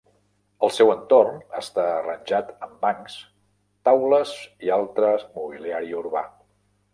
El seu entorn està arranjat amb bancs, taules i altre mobiliari urbà.